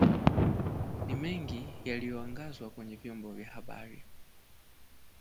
Ni mengi yaliyoangazwa kwenye vyombo vya habari